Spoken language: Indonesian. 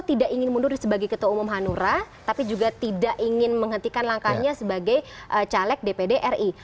tidak ingin mundur sebagai ketua umum hanura tapi juga tidak ingin menghentikan langkahnya sebagai caleg dpd ri